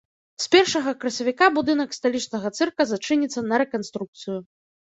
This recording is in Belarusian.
З першага красавіка будынак сталічнага цырка зачыніцца на рэканструкцыю.